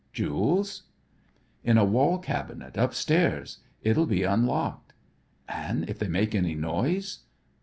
"Jewels?" "In a wall cabinet upstairs. It'll be unlocked." "An' if they make any noise?"